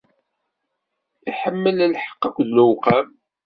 Iḥemmel lḥeqq akked lewqam.